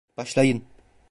Başlayın!